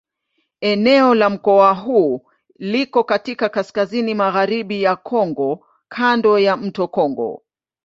Eneo la mkoa huu liko katika kaskazini-magharibi ya Kongo kando ya mto Kongo.